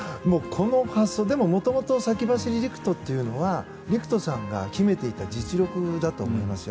でも、もともと先走り陸斗というのは陸斗さんが秘めていた実力だと思います。